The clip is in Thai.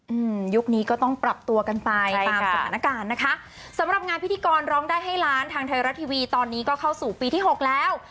ยุคนี้ก็ต้องปรับตัวกันไปตามสถานการณ์นะคะสำหรับงานพิธีกรร้องได้ให้ล้านทางไทยรัฐทีวีตอนนี้ก็เข้าสู่ปีที่หกแล้ว